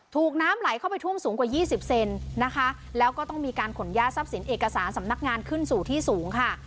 น้ำไหลเข้าไปท่วมสูงกว่ายี่สิบเซนนะคะแล้วก็ต้องมีการขนย่าทรัพย์สินเอกสารสำนักงานขึ้นสู่ที่สูงค่ะ